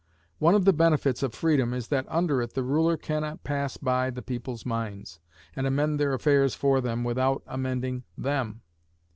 One of the benefits of freedom is that under it the ruler can not pass by the people's minds, and amend their affairs for them without amending them.